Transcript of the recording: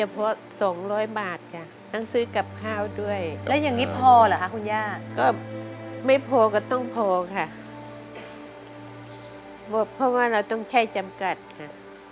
เพราะว่าเราต้องใช้จำกัดค่ะ